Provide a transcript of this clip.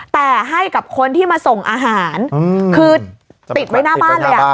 แต่ให้กับคนที่มาส่งอาหารคือติดไว้หน้าบ้านเลย